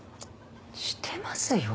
してますよ。